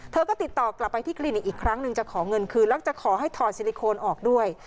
เธอก็ติดต่อกลับไปที่คลินิกอีกครั้งหนึ่งจะขอเงินคืนแล้วจะขอให้ถอดซิลิโคนออกด้วย